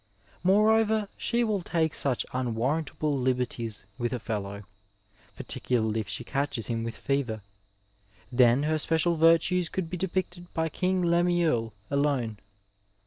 Moreover she will take such unwarrantable liberties with a feUow, particularly if she catches him with fever ; then her special virtues could be depicted by King Lemuel alone.